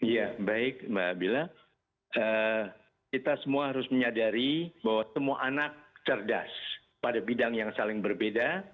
ya baik mbak bila kita semua harus menyadari bahwa semua anak cerdas pada bidang yang saling berbeda